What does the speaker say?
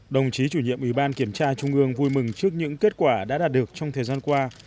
đồng chí chủ nhiệm ủy ban kiểm tra trung ương vui mừng trước những kết quả đã đạt được trong thời gian qua